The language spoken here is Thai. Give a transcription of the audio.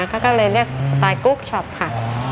เขาก็เลยเรียกสไตล์กุ๊กช็อปค่ะ